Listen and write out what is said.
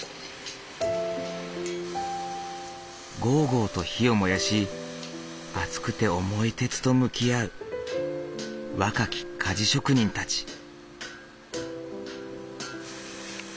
ごうごうと火を燃やし熱くて重い鉄と向き合う若き鍛冶職人たち。